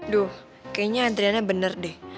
duh kayaknya antriannya benar deh